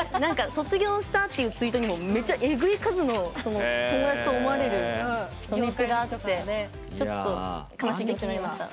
「卒業した」っていうツイートにもめっちゃえぐい数の友達と思われるリプがあってちょっと悲しい気持ちになりました。